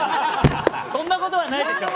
そんなことは、ないですよ。